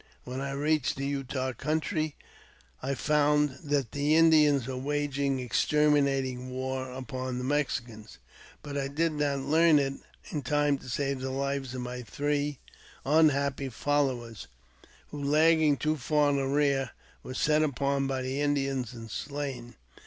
When I reached the Utah country, I found that the Indians 384 AUTOBIOGBAPHY OF JAMES P. BECKWOUBTH. were waging exterminating war upon the Mexicans, but I did not learn it in time to save my three unhappy followers, who,, lagging too far in the rear, were set upon by the Indians and slain.